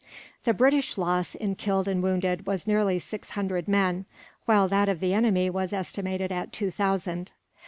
The British loss, in killed and wounded, was nearly six hundred men; while that of the enemy was estimated at two thousand.